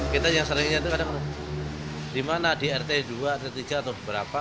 kita yang seringnya itu kadang di mana di rt dua rt tiga atau berapa